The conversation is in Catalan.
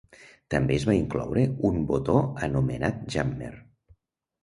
També es va incloure un botó anomenat Jammer.